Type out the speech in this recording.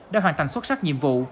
đã hoàn thành xuất sắc nhiệm vụ